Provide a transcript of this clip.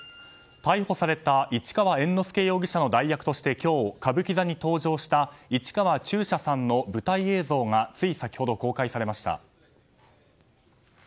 逮捕された市川猿之助容疑者の代役として今日、歌舞伎座に登場した市川中車さんの舞台映像がつい先ほど公開されました。